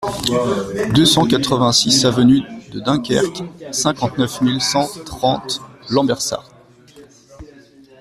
deux cent quatre-vingt-six avenue de Dunkerque, cinquante-neuf mille cent trente Lambersart